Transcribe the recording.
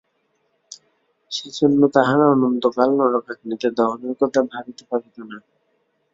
সেজন্য তাহারা অনন্তকাল নরকাগ্নিতে দহনের কথা ভাবিতে পারিত না।